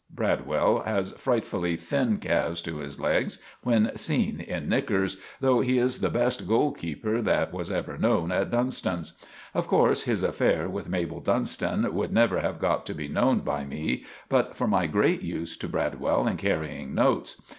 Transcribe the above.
Bradwell has frightfully thin calves to his legs when seen in "knickers," though he is the best goalkeeper that was ever known at Dunston's. Of course, his affair with Mabel Dunston would never have got to be known by me but for my great use to Bradwell in carrying notes.